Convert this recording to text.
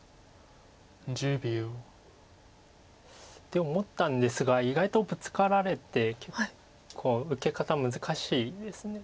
で思ったんですが意外とブツカられて結構受け方難しいです。